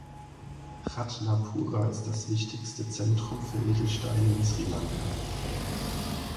Ratnapura ist das wichtigste Zentrum für Edelsteine in Sri Lanka.